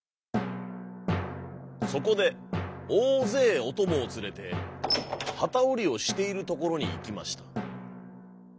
そこでおおぜいおともをつれてはたおりをしているところにいきました。